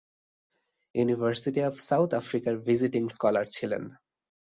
University of South আফ্রিকার visiting scholar ছিলেন।